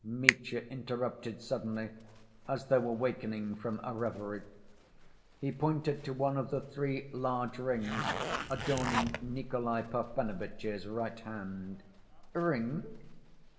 Mitya interrupted suddenly, as though awakening from a reverie. He pointed to one of the three large rings adorning Nikolay Parfenovitch's right hand. "Ring?"